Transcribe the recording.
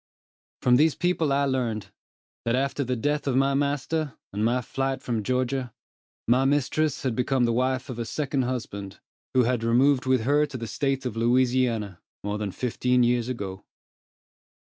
From these people I learned, that after the death of my master, and my flight from Georgia, my mistress had become the wife of a second husband, who had removed with her to the State of Louisiana more than fifteen years ago.